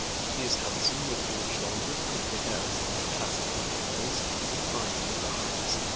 He is handsome, with broad shoulders, good figure, and somewhat classic type of face, with fine blue eyes.